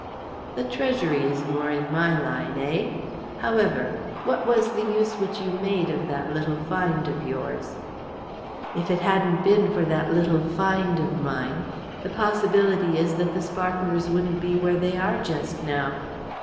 "The treasury is more in my line eh? However, what was the use which you made of that little find of yours?" "If it hadn't been for that little find of mine, the possibility is that the sparklers wouldn't be where they are just now.